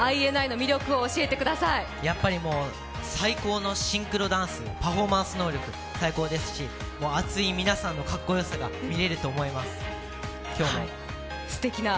最高のシンクロダンスパフォーマンス能力も最高ですし熱い皆さんのかっこよさが見れると思います、今日も。